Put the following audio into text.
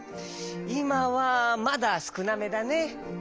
いまはまだすくなめだね。